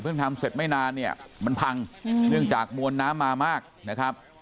ทำเสร็จไม่นานเนี่ยมันพังเนื่องจากมวลน้ำมามากนะครับ